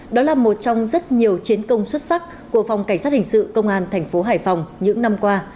đó là một trong rất nhiều chiến công xuất sắc của phòng cảnh sát hình sự công an thành phố hải phòng những năm qua